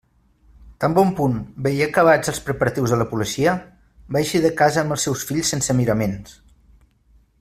Tan bon punt veié acabats els preparatius de la policia, va eixir de casa amb els seus fills sense miraments.